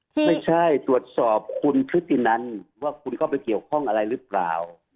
ไม่ใช่ตรวจสอบคุณพฤตินันว่าคุณเข้าไปเกี่ยวข้องอะไรหรือเปล่า